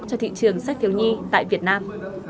cho thị trường sách thiếu nhi tại việt nam